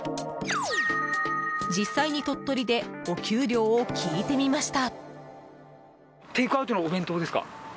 実際に鳥取でお給料を聞いてみました。